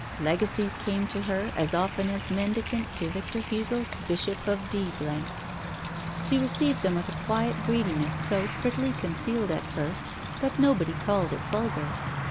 Legacies came to her as often as mendicants to Victor Hugo's Bishop of D . She received them with a quiet greediness so prettily concealed at first that no body called it vulgar.